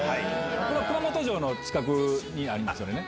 熊本城近くにありますよね。